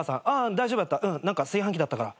大丈夫だった炊飯器だったから。